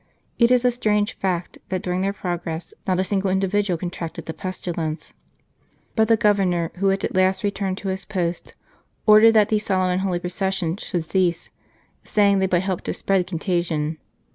It is a strange fact that during their progress not a single indi vidual contracted the pestilence. But the Governor, who had at last returned to his post, ordered that these solemn and holy processions should cease, saying they but helped to spread contagion.